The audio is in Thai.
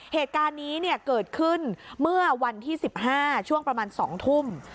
เหตุการณ์นี้เกิดขึ้นเมื่อวันที่๑๕ช่วงประมาณ๒ทุ่ม